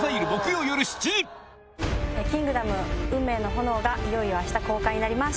『キングダム運命の炎』がいよいよあした公開になります。